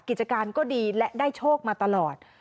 กิจการก็ดีและได้โชคมาตลอด